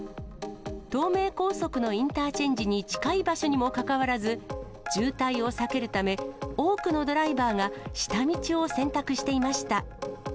東名高速のインターチェンジに近い場所にもかかわらず、渋滞を避けるため、多くのドライバーが下道を選択していました。